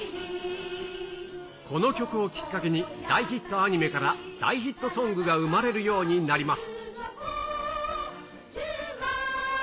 この曲をきっかけに、大ヒットアニメから大ヒットソングが生まれるようになります。